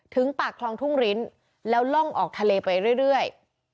ปากคลองทุ่งริ้นแล้วล่องออกทะเลไปเรื่อย